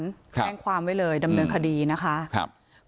แจ้งความไว้เลยดำเนินคดีนะคะ